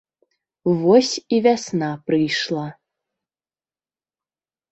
Вось і вясна прыйшла.